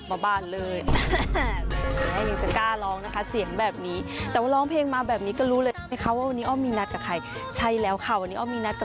ว่าแต่เขาไม่ร้องเพลงแล้วหรอเดี๋ยววันนี้อ้อฟพาไปหาคำตอบค่ะไปค่ะ